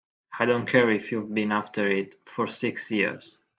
I don't care if you've been after it for six years!